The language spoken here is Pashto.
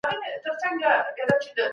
زه له سهاره ليکنه کوم.